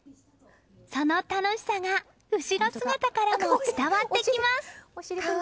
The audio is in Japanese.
その楽しさが、後ろ姿からも伝わってきます！